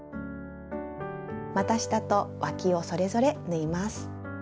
また下とわきをそれぞれ縫います。